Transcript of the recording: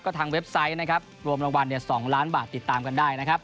ทางเว็บไซต์นะครับรวมรางวัล๒ล้านบาทติดตามกันได้นะครับ